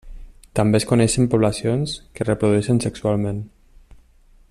També es coneixen poblacions que es reprodueixen sexualment.